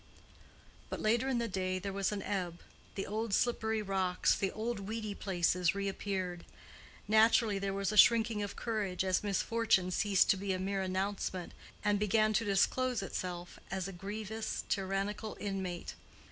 But later in the day there was an ebb; the old slippery rocks, the old weedy places reappeared. Naturally, there was a shrinking of courage as misfortune ceased to be a mere announcement, and began to disclose itself as a grievous tyrannical inmate.